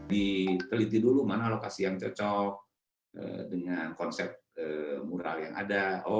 diteliti dulu mana lokasi yang cocok dengan konsep mural yang ada